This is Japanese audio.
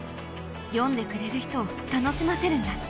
読んでくれる人を楽しませるんだ。